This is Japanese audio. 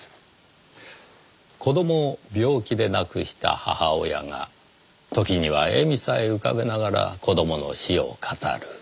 子供を病気で亡くした母親が時には笑みさえ浮かべながら子供の死を語る。